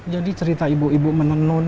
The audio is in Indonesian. jadi cerita ibu ibu menenun